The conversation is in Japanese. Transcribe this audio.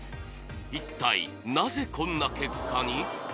一体なぜこんな結果に！？